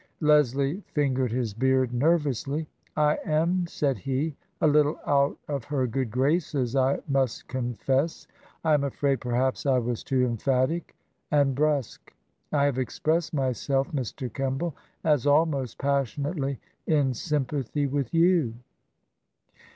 Leslie fingered his beard nervously. " I am," said he, " a little out of her good graces, I must confess. I'm afraid perhaps I was too emphatic — and brusque. I have expressed myself, Mr. Kemball, as almost passionately in sympathy with you."